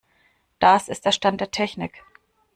Das ist der Stand der Technik.